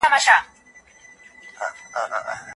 هغه سګرټ چې په ځمکه پروت و لا تر اوسه مړ شوی نه و.